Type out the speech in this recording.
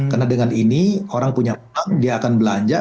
karena dengan ini orang punya uang dia akan belanja